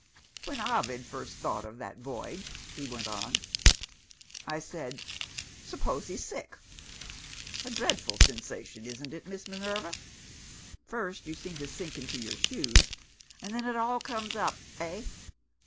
"When Ovid first thought of that voyage," he went on, "I said, Suppose he's sick? A dreadful sensation isn't it, Miss Minerva? First you seem to sink into your shoes, and then it all comes up eh?